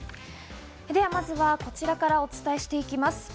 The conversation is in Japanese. ではまずはこちらからお伝えしていきます。